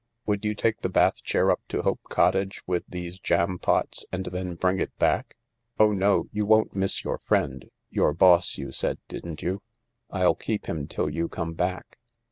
Would you take the bath chair up to Hope Cottage, with these jampots, and then bring it back ? Oh no, yon won't miss your friend^ y6ur boss, you said, didn't you ? I'll keep him till you come back."